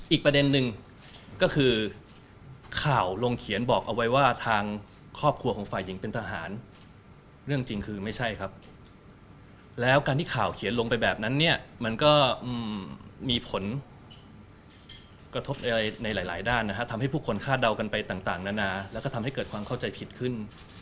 อีกประเด็นนึงก็คือข่าวลงเขียนบอกเอาไว้ว่าทางครอบครัวของฝ่ายหญิงเป็นทหารเรื่องจริงคือไม่ใช่ครับแล้วการที่ข่าวเขียนลงไปแบบนั้นเนี่ยมันก็มีผลกระทบอะไรในหลายด้านนะฮะทำให้ผู้คนคาดเดากันไปต่างนานาแล้วก็ทำให้เกิดความเข้าใจผิดขึ้น